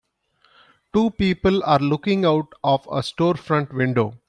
Two people are looking out of a storefront window.